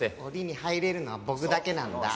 檻に入れるのは僕だけなんだ。